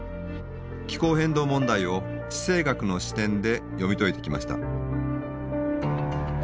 気候変動問題を地政学の視点で読み解いてきました。